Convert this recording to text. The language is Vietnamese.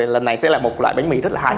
lần này sẽ là một loại bánh mì rất là hay